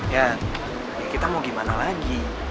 ya kita mau gimana lagi